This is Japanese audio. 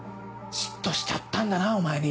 嫉妬しちゃったんだなぁお前に。